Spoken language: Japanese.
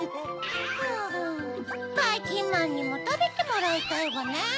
はぁばいきんまんにもたべてもらいたいわね。